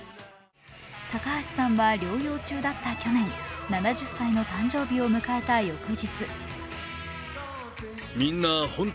高橋さんは療養中だった去年、７０歳の誕生日を迎えた翌日。